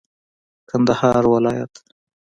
کندهار ولايت